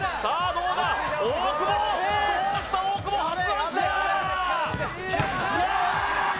どうだ大久保どうした大久保発案者